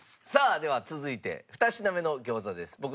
さあでは続いて２品目の餃子です。